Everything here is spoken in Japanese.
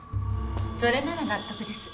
それなら納得です。